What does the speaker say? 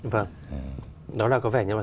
vâng đó là có vẻ như là